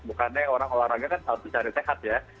bukannya orang olahraga kan harus dicari sehat ya